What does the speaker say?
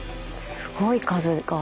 すごい数。